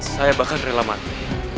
saya bahkan rela mati